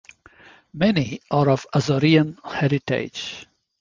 Many are of Azorean heritage.